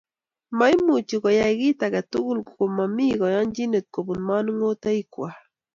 Moimuchi koyai kit age tugul komomi koyonchinet kobun manongotoikwai